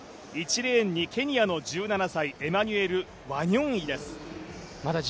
１レーンにケニアの１７歳エマニュエル・ワニョンイです。